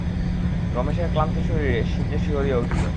রমেশের ক্লান্ত শরীর শীতে শিহরিয়া উঠিল।